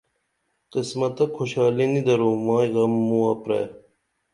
قسمتہ کُھوشالی نی درو مائی غم مُوہ پرے